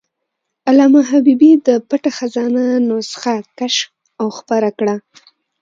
علامه حبیبي د "پټه خزانه" نسخه کشف او خپره کړه.